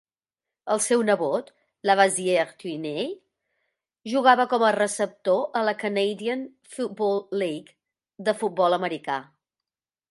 El seu nebot Lavasier Tuinei jugava com a receptor a la Canadian Football League, de futbol americà.